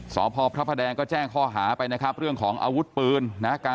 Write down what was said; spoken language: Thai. สพพระประแดงก็แจ้งข้อหาไปนะครับเรื่องของอาวุธปืนนะ